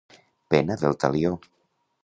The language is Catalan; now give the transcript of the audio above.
Pena del talió.